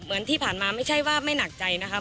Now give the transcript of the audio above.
เหมือนที่ผ่านมาไม่ใช่ว่าไม่หนักใจนะคะ